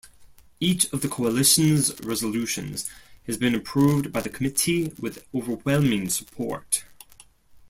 Each of the Coalition's resolutions has been approved by the committee with overwhelming support.